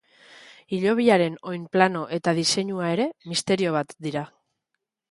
Hilobiaren oinplano eta diseinua ere, misterio bat dira.